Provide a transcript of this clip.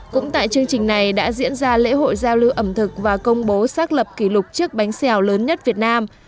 cũng tại chương trình này đã diễn ra lễ hội giao lưu ẩm thực và công bố xác lập kỷ lục chiếc bánh xèo lớn nhất việt nam